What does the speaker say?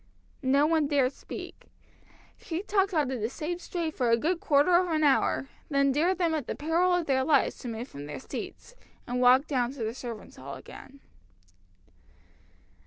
No one dared speak. She talked on in the same strain for a good quarter of an hour, then dared them at the peril of their lives to move from their seats, and walked down to the servants' hall again.